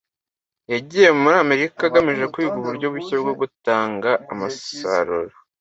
Yagiye muri Amerika agamije kwiga uburyo bushya bwo gutanga umusaruro